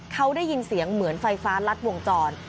เขาได้ยินเสียงเหมือนไฟฟ้ารัดวงจร